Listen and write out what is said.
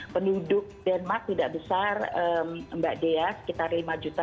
penduduk denmark tidak besar mbak dea sekitar lima delapan ratus